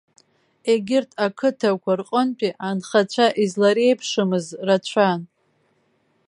Егьырҭ ақыҭақәа рҟынтәи анхацәа излареиԥшымыз рацәан.